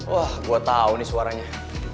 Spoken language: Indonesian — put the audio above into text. wah gue tau nih suaranya